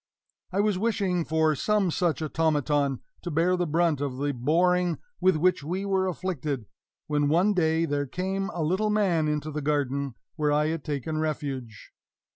I was wishing for some such automaton, to bear the brunt of the boring with which we were afflicted, when one day there came a little man into the garden, where I had taken refuge.